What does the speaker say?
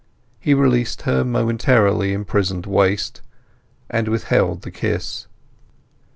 He released her momentarily imprisoned waist, and withheld the kiss.